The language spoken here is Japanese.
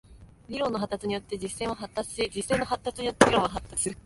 理論の発達によって実践は発達し、実践の発達によって理論は発達する。